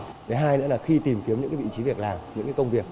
thứ hai nữa là khi tìm kiếm những vị trí việc làm những công việc